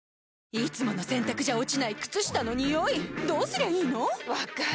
いつもの洗たくじゃ落ちない靴下のニオイどうすりゃいいの⁉分かる。